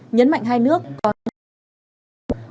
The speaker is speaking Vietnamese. nhấn mạnh hai nước còn đồng ý với tổng bí thư nguyễn phú trọng